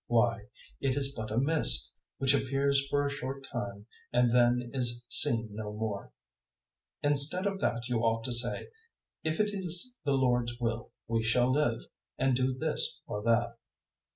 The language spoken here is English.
Why, it is but a mist, which appears for a short time and then is seen no more. 004:015 Instead of that you ought to say, "If it is the Lord's will, we shall live and do this or that."